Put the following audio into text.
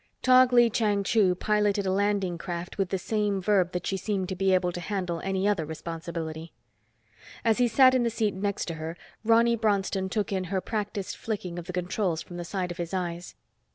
Tog Lee Chang Chu piloted a landing craft with the same verve that she seemed to be able to handle any other responsibility. As he sat in the seat next to her, Ronny Bronston took in her practiced flicking of the controls from the side of his eyes.